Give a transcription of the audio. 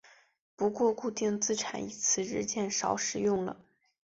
不过固定财产一词日渐少使用了。